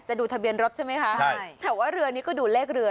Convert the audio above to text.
ดูทะเบียนรถใช่ไหมคะใช่แต่ว่าเรือนี้ก็ดูเลขเรือ